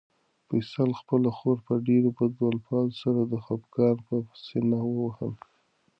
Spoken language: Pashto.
فیصل خپله خور په ډېرو بدو الفاظو سره د خپګان په سېنه ووهله.